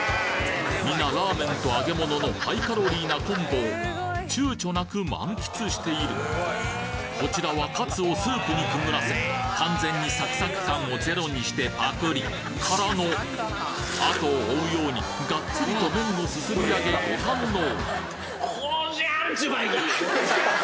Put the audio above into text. みなラーメンと揚げ物のハイカロリーなコンボを躊躇なく満喫しているこちらはカツをスープに潜らせ完全にサクサク感をゼロにしてパクリ！からの後を追うようにガッツリと麺をすすり上げご堪能！